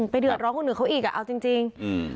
ไปเดือดร้องคนหนึ่งเขาอีกเอาจริง